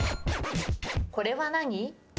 これは何？